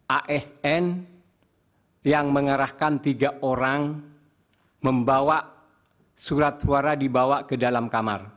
asn yang mengarahkan tiga orang membawa surat suara dibawa ke dalam kamar